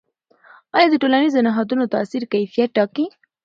آیا د ټولنیزو نهادونو تاثیر کیفیت ټاکي؟